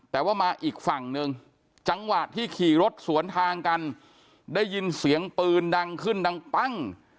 แต่ว่ามาอีกฝั่งหนึ่งจังหวะที่ขี่รถสวนทางกันได้ยินเสียงปืนดังขึ้นดังปั้ง